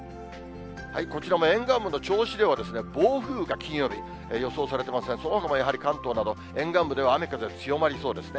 こちらも沿岸部の銚子では、暴風が金曜日、予想されてますね、そのほかもやはり関東など沿岸部では雨風が強まりそうですね。